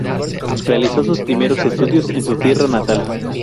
Realizó sus primeros estudios en su tierra natal.